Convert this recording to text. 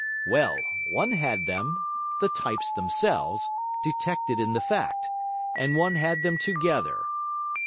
Well, one had them, the types themselves, detected in the fact; and one had them together.